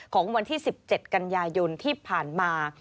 ของวันที่๑๗กันยายนที่ผ่านมา